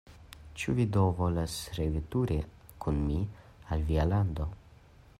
Ĉu vi do volas reveturi kun mi al via lando?